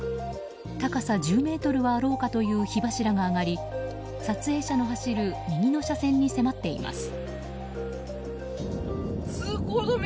高さ１０ｍはあろうかという火柱が上がり撮影者の走る右の車線に迫っています。